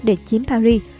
để chiếm paris